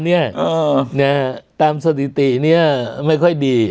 เนี่ยตามสถิติเนี่ยไม่ค่อยดี